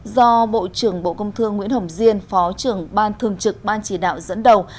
do bộ trưởng bộ công thương nguyễn hồng diên phó trưởng ban thường trực ban chỉ đạo dẫn đầu